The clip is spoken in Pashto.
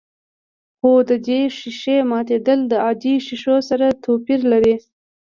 خو د دې ښيښې ماتېدل د عادي ښيښو سره توپير لري.